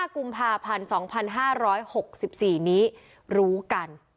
กุมภาพันธ์๒๕๖๔นี้รู้กัน